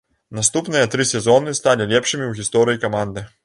Наступныя тры сезоны сталі лепшымі ў гісторыі каманды.